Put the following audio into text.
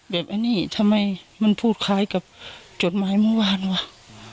ไอ้นี่ทำไมมันพูดคล้ายกับจดหมายเมื่อวานวะ